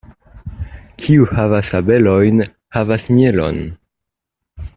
Kiu havas abelojn, havas mielon.